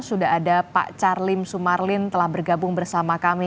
sudah ada pak charlim sumarlin telah bergabung bersama kami